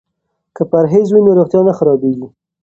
که پرهیز وي نو روغتیا نه خرابیږي.